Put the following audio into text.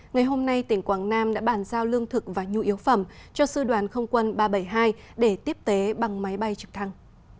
ngày hôm nay tỉnh quảng nam đã bàn giao lương thực và nhu yếu phẩm cho sư đoàn không quân ba trăm bảy mươi hai để tiếp tế bằng máy bay trực thăng